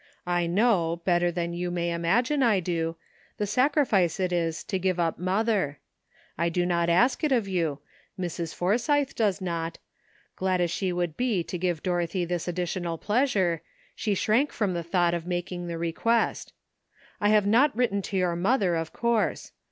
I know, better than you may imagine I do, the sacrifice it is to give up mother. I do not ask it of you, Mrs. Forsythe does not; glad as she would be to give Dorothy this additional pleasure, she shrank from the thought of making the request. I have not written to your mother, of course.